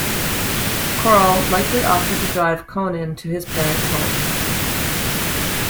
Corll likely offered to drive Konen to his parents' home.